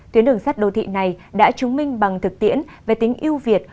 tuyến đường sắt đô thị này đã chứng minh bằng thực tiễn về tính yêu việt